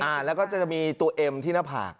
แล้วก็จะมีตัวเอ็มที่หน้าผาก